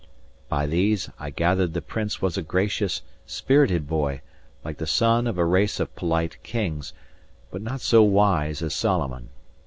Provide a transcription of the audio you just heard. By these, I gathered the Prince was a gracious, spirited boy, like the son of a race of polite kings, but not so wise as Solomon.